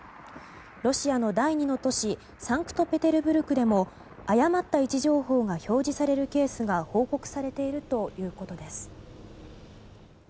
ロシアの第２の都市サンクトペテルブルクでも誤った位置情報が表示されるケースが報告されているということです。